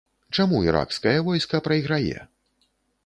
Чаму іракскае войска прайграе?